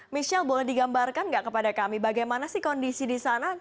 michelle boleh digambarkan nggak kepada kami bagaimana sih kondisi di sana